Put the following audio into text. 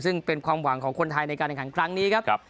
ซึ่งเป็นความหวังของคนไทยในการแข่งขันครั้งนี้ครับ